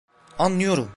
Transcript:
Anlıyorum!